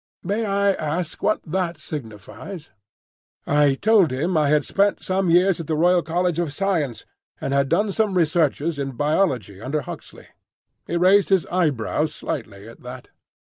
May I ask what that signifies?" I told him I had spent some years at the Royal College of Science, and had done some researches in biology under Huxley. He raised his eyebrows slightly at that.